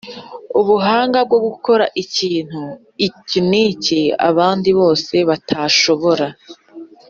Ubuhanga bwo gukora ikintu iki n’iki abantu bose batashobora